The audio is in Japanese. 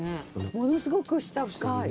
ものすごく下深い。